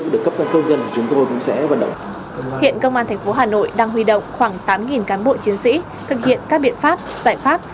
để thực hiện các biện pháp giải pháp